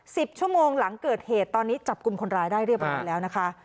สิบชั่วโมงหลังเกิดเหตุตอนนี้จับกลุ่มคนร้ายได้เรียบร้อยแล้วนะคะ